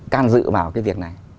can dự vào cái việc này